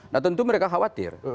nah tentu mereka khawatir